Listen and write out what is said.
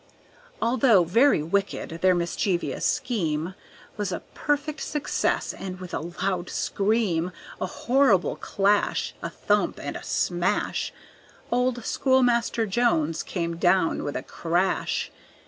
Although very wicked, their mischievous scheme Was a perfect success; and with a loud scream, A horrible clash, A thump and a smash, Old Schoolmaster Jones came down with a crash.